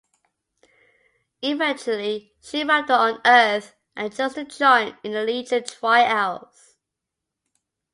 Eventually, she arrived on Earth, and chose to join in the Legion tryouts.